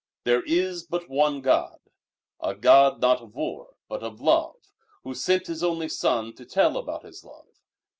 There is but one God, a God not of war, but of Love, Who sent His only Son to tell about His love.